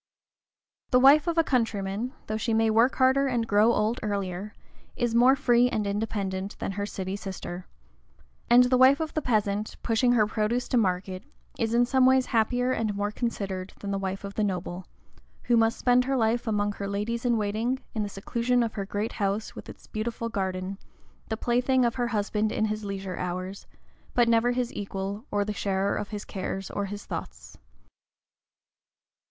The wife of the countryman, though she may work harder and grow old earlier, is more free and independent than her city sister; and the wife of the peasant, pushing her produce to market, is in some ways happier and more considered than the wife of the noble, who must spend her life among her ladies in waiting, in the seclusion of her great house with its beautiful garden, the plaything of her husband in his leisure hours, but never his equal, or the sharer of his cares or of his thoughts.